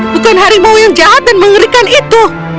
bukan harimau yang jahat dan mengerikan itu